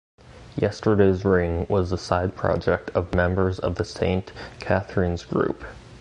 Yesterday`s Ring was a side project of members of the Sainte Catherines group.